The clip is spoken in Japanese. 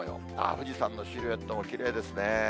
富士山のシルエットもきれいですね。